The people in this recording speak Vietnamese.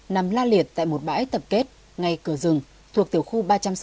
nằm la liệt tại một bãi tập kết ngay cửa rừng thuộc tiểu khu ba trăm sáu mươi bảy